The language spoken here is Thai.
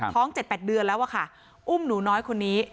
ท้อง๗๘เดือนแล้วอะค่ะอุ้มหนูน้อยคนนี้